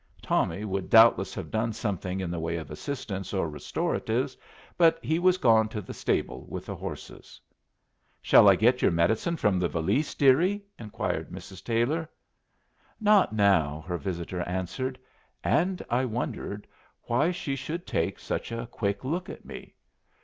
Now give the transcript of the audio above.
Tommy would doubtless have done something in the way of assistance or restoratives, but he was gone to the stable with the horses. "Shall I get your medicine from the valise, deary?" inquired Mrs. Taylor. "Not now," her visitor answered; and I wondered why she should take such a quick look at me.